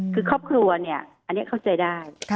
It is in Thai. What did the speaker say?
คือครอบครัวเนี่ยอันนี้เข้าใจได้